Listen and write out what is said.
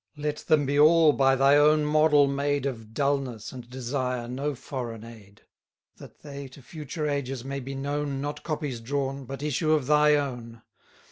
Let them be all by thy own model made Of dulness, and desire no foreign aid; That they to future ages may be known, Not copies drawn, but issue of thy own.